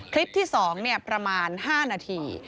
คลิปที่๒ประมาณ๕นาที